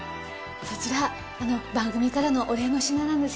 そちら番組からのお礼の品なんです。